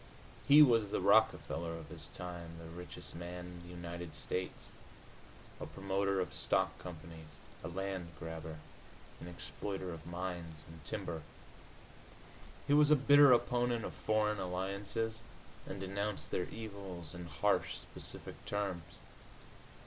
He was the Rockefeller of his time, the richest man in the United States, a promoter of stock companies, a land grabber, an exploiter of mines and timber. He was a bitter opponent of foreign alliances, and denounced their evils in harsh, specific terms.